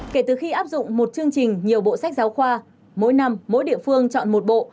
kể từ khi áp dụng một chương trình nhiều bộ sách giáo khoa mỗi năm mỗi địa phương chọn một bộ